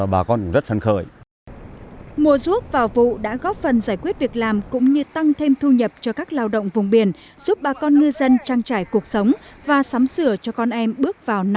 bà con đã tập trung mua sắm thêm ngư lợi cù